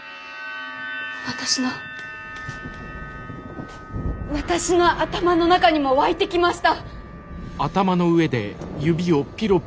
私の私の頭の中にも湧いてきました。